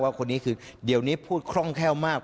คนนี้คือเดี๋ยวนี้พูดคล่องแคล่วมาก